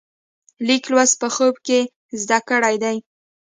لیک لوست په خوب کې زده کړی دی.